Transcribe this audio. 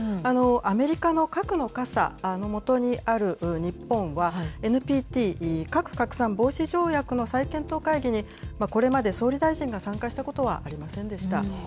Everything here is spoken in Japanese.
アメリカの核の傘の下にある日本は、ＮＰＴ・核拡散防止条約の再検討会議に、これまで総理大臣が参加したことはありませんでした。